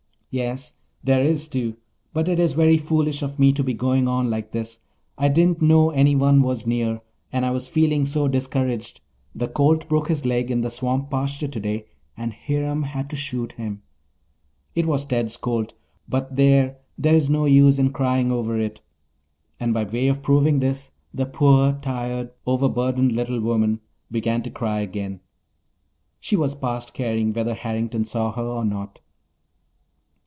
"Yes, there is too. But it is very foolish of me to be going on like this. I didn't know anyone was near. And I was feeling so discouraged. The colt broke his leg in the swamp pasture today and Hiram had to shoot him. It was Ted's colt. But there, there is no use in crying over it." And by way of proving this, the poor, tired, overburdened little woman began to cry again. She was past caring whether Harrington saw her or not.